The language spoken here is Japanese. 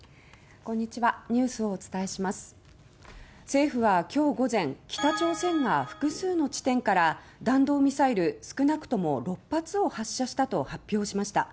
政府は、今日午前北朝鮮が複数の地点から弾道ミサイル、少なくとも６発を発射したと発表しました。